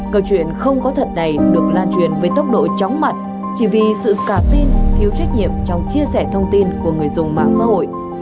câu chuyện không có thật này được lan truyền với tốc độ chóng mặt chỉ vì sự cảm tin thiếu trách nhiệm trong chia sẻ thông tin của người dùng mạng xã hội